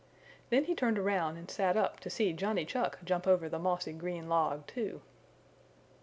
Then he turned around and sat up to see Johnny Chuck jump over the mossy green log, too.